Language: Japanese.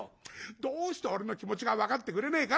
「どうして俺の気持ちが分かってくれねえかな。